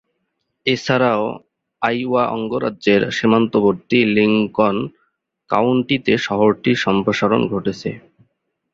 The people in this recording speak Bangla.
এছাড়াও আইওয়া অঙ্গরাজ্যের সীমান্তবর্তী লিংকন কাউন্টিতে শহরটির সম্প্রসারণ ঘটেছে।